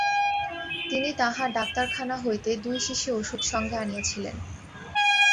তিনি তাঁহার ডাক্তারখানা হইতে দুই শিশি ওষুধ সঙ্গে আনিয়াছিলেন।